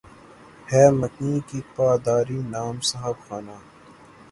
ہے مکیں کی پا داری نام صاحب خانہ